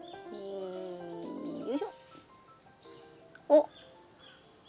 おっ。